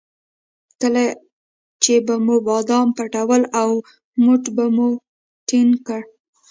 کله چې به مو بادام پټول او موټ به مو ټینګ کړ.